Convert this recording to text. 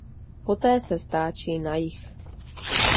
Poté se stáčí na jih.